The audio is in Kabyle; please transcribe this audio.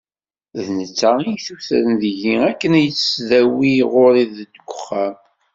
D netta i d-yessutren deg-i akken ad yettdawi ɣur-i deg uxxam.